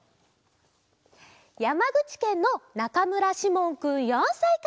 やまぐちけんのなかむらしもんくん４さいから。